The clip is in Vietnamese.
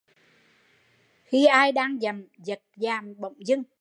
Kìa ai đan giậm, giật giàm bổng dưng